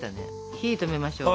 火止めましょう。